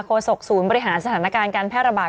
ศกศูนย์บริหารสถานการณ์การแพร่ระบาด